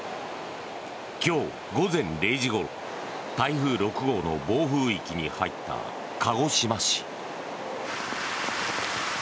今日午前０時ごろ台風６号の暴風域に入った鹿児島市。